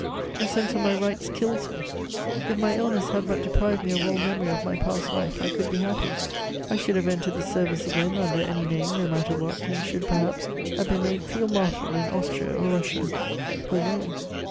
The sense of my rights kills me. If my illness had but deprived me of all memory of my past life, I could be happy. I should have entered the service again under any name, no matter what, and should, perhaps, have been made Field Marshal in Austria or Russia. Who knows?"